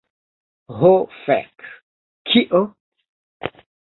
Ho fek. Kio?